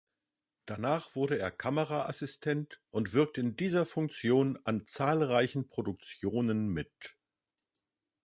Danach wurde er Kameraassistent und wirkte in dieser Funktion an zahlreichen Produktionen mit.